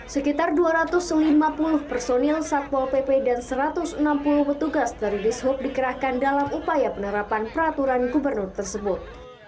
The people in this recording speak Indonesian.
sekitar dua ratus lima puluh personil satpol pp dan satu ratus enam puluh petugas dari dishub dikerahkan dalam upaya penerapan peraturan gubernur tersebut